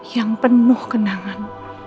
yang penuh kenangan